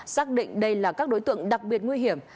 xác định đây là các đối tượng đặc biệt nguy hiểm